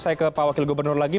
saya ke pak wakil gubernur lagi